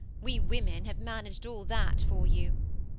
We women have managed all that for you.